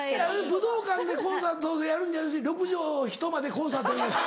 武道館でコンサートやるんじゃなしに６畳ひと間でコンサートやります。